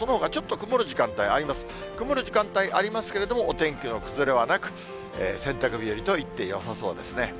曇る時間帯ありますけれども、お天気の崩れはなく、洗濯日和と言ってよさそうですね。